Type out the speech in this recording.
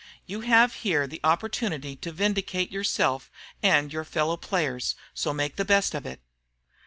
You have here the opportunity to vindicate yourself and your fellow players, so make the best of it."